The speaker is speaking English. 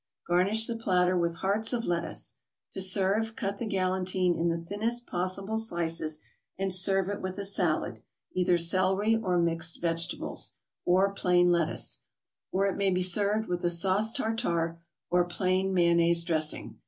Garnish the platter with hearts of lettuce. To serve, cut the "galantine" in the thinnest possible slices, and serve it with a salad, either celery, or mixed vegetables, or plain lettuce; or it may be served with a sauce tartar or plain mayonnaise dressing.